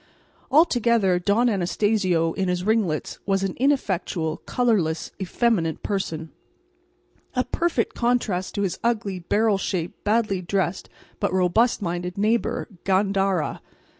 Altogether, Don Anastacio in his ringlets was an ineffectual, colourless, effeminate person, a perfect contrast to his ugly, barrel shaped, badly dressed but robust minded neighbour, Gandara.